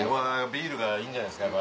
ビールがいいんじゃないっすか。